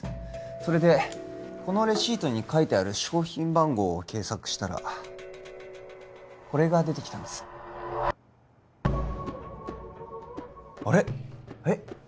それでこのレシートに書いてある商品番号を検索したらこれが出てきたんですあれえっ？